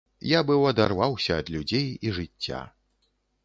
Я быў адарваўся ад людзей і жыцця.